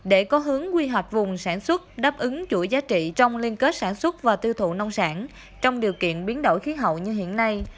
để có hướng quy hoạch vùng sản xuất đáp ứng chuỗi giá trị trong liên kết sản xuất và tiêu thụ nông sản trong điều kiện biến đổi khí hậu như hiện nay